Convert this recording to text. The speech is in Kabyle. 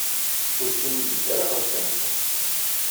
Ur ttinigent ara ɣer Kanada.